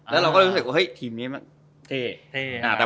แล้วเราก็เลยรู้สึกว่าทีมนี้มันเท่